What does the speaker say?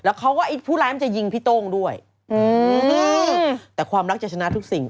แล้วเขาก็ไอ้ผู้ร้ายมันจะยิงพี่โต้งด้วยอืมแต่ความรักจะชนะทุกสิ่ง